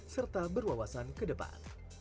serta berwawasan ke depan